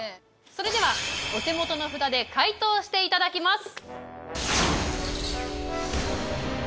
それではお手元の札で解答していただきます。